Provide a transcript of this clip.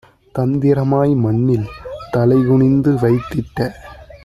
தந்திரமாய் மண்ணில் தலைகுனிந்து வைத்திட்ட